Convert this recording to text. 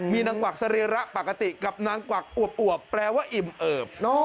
มีนางกวักสรีระปกติกับนางกวักอวบแปลว่าอิ่มเอิบ